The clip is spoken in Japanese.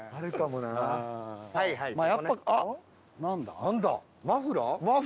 なんだ？